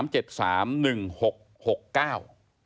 ใช่ค่ะ